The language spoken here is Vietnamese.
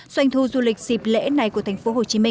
doanh thu du lịch dịp lễ này của tp hcm